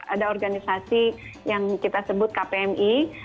ada organisasi yang kita sebut kpmi